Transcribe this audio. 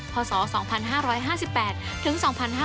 พศ๒๕๕๘ถึง๒๕๕๙